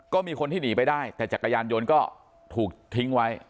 ก็มีคนที่หนีไปได้แต่จักรยานยนต์ก็ถูกทิ้งไว้